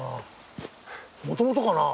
もともとかな？